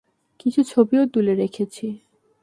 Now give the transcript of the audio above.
কিছু ছবিও তুলে রেখেছি।